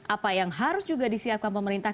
apa yang harus juga disiapkan pemerintah